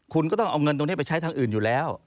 คุณก็ต้องเอาเงินตรงนี้ไปใช้ทางอื่นอยู่แล้ว